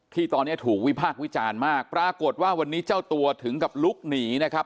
ที่ตอนนี้ถูกวิพากษ์วิจารณ์มากปรากฏว่าวันนี้เจ้าตัวถึงกับลุกหนีนะครับ